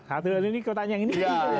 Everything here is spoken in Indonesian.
satu ini kotaknya yang ini